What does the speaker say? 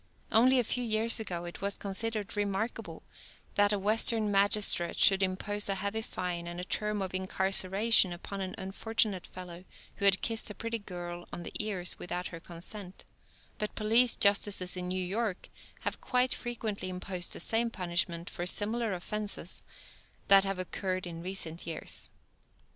Only a few years ago it was considered remarkable that a Western magistrate should impose a heavy fine and a term of incarceration upon an unfortunate fellow who had kissed a pretty girl on the ears without her consent, but police justices in New York have quite frequently imposed the same punishment for similar offenses that have occurred in recent years.